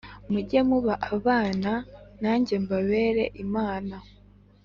mujye muba abana nanjye mbabere Imana